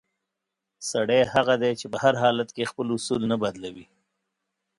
سړی هغه دی چې په هر حالت کې خپل اصول نه بدلوي.